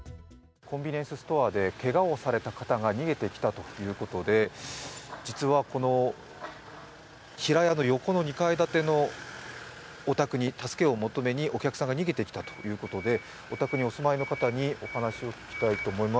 コンビニエンスストアでけがをされた方が逃げてきたということで実はこの平屋の横の２階建てのお宅に助けを求めにお客さんが逃げてきたということでお宅にお住まいの方にお話を聞きたいと思います。